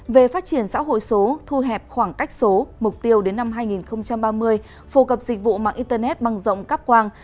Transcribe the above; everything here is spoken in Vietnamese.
về phát triển xã hội số thu hẹp khoảng cách số mục tiêu đến năm hai nghìn ba mươi phổ cập dịch vụ mạng internet bằng rộng cắp quang